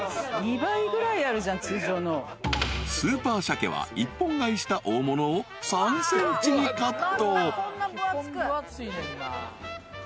［スーパーシャケは一本買いした大物を３ｃｍにカット］